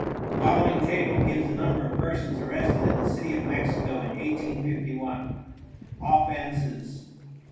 The following table gives the number of persons arrested in the city of Mexico in 1851. ++| Offenses.